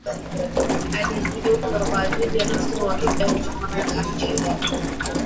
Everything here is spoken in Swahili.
Alijiunga kwa ajili ya masomo ya Kidato cha Kwanza hadi cha tatu